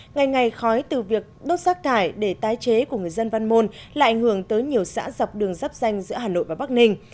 ngày ngày khói từ việc đốt rác thải để tái chế của người dân văn môn lại ảnh hưởng tới nhiều xã dọc đường dắp danh giữa hà nội và bắc ninh